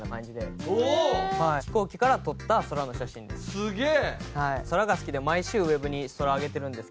すげえ！